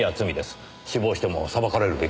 死亡しても裁かれるべきですよ。